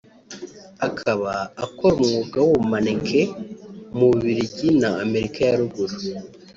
akaba akora umwuga w'ubu mannequin mu Bubiligi na Amerika ya ruguru